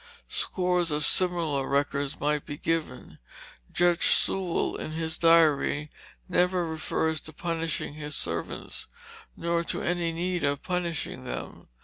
Scores of similar records might be given. Judge Sewall, in his diary, never refers to punishing his servants, nor to any need of punishing them.